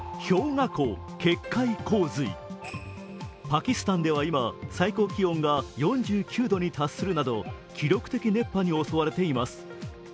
パキスタンでは今、最高気温が４９度に達するなど記録的熱波に襲われています。